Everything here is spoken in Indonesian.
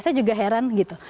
saya juga heran gitu